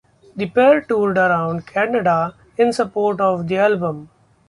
The pair toured around Canada in support of the album.